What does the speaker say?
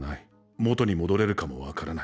元に戻れるかも分からない。